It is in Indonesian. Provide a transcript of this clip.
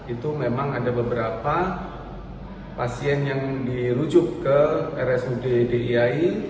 itu memang ada beberapa pasien yang dirujuk ke rsuddiyai